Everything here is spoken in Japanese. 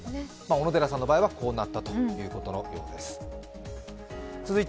小野寺さんの場合はこうなったということのようです。